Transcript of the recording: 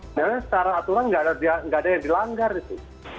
sebenarnya secara aturan nggak ada yang dilanggar itu